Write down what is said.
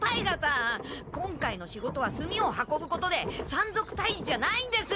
今回の仕事は炭を運ぶことで山賊たいじじゃないんです！